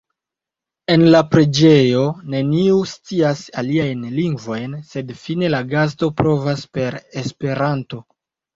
En la preĝejo neniu scias aliajn lingvojn, sed fine la gasto provas per Esperanto.